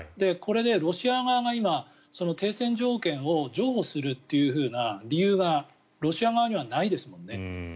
これでロシア側が今、停戦条件を譲歩するっていうような理由がロシア側にはないですもんね。